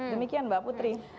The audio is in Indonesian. demikian mbak putri